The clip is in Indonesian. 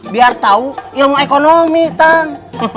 biar tau ilmu ekonomi tang